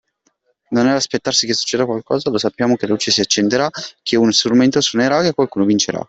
Non è l’aspettarsi che succeda qualcosa, lo sappiamo che la luce si accenderà, che uno strumento suonerà , che qualcuno vincerà.